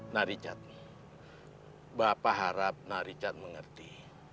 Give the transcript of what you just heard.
naricat bapak harap naricat mengerti